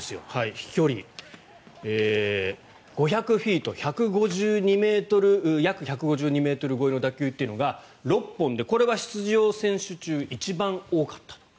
飛距離、５００フィート約１５２ｍ越えの打球というのが６本でこれは出場選手中一番多かった。